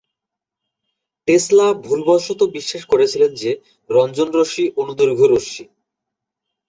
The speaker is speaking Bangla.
টেসলা ভুলবশত বিশ্বাস করেছিল যে, রঞ্জন রশ্মি অনুদৈর্ঘ্য রশ্মি।